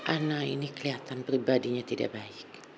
ana ini kelihatan pribadinya tidak baik